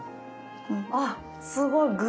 あすごい。